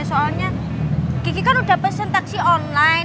soalnya kiki kan sudah pesen taksi online